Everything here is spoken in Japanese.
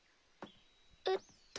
えっと。